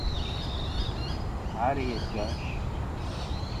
Он прочел.